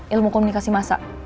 ilmu komunikasi masa